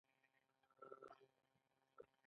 که حقوق له پامه غورځول شوي وي.